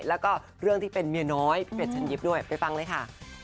แล้วก็เรื่องที่เป็นเมียน้อยพี่เป็ดเชิญยิ้มด้วยไปฟังเลยค่ะ